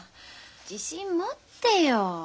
自信持ってよ。